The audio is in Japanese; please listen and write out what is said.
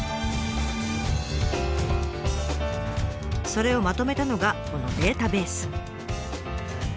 それをまとめたのがこのデータベース。